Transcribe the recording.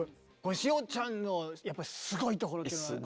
塩ちゃんのやっぱすごいところっていうのは？